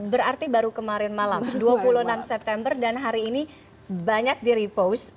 berarti baru kemarin malam dua puluh enam september dan hari ini banyak di repost